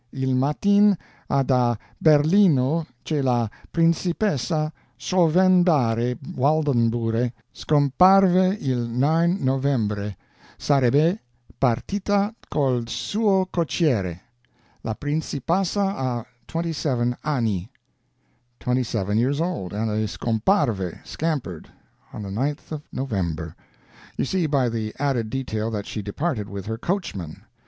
Il MATIN ha da Berlino che la principessa Schovenbare Waldenbure scomparve il 9 novembre. Sarebbe partita col suo cocchiere. La Principassa ha 27 anni. Twenty seven years old, and scomparve scampered on the 9th November. You see by the added detail that she departed with her coachman.